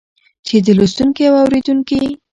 چې د لوستونکي او اورېدونکي